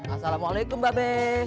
assalamualaikum mbak be